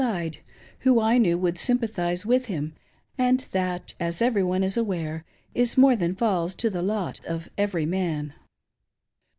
517 * side, who I knew would sympathise with him ; and that, as every one is aware, is more than falls to the lot of every man.